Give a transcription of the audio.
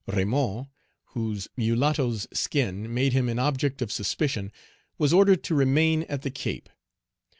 Raymond, whose mulatto's skin made him an object of suspicion, was ordered to remain at the Cape.